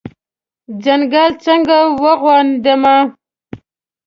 ځنګل څنګه واغوندمه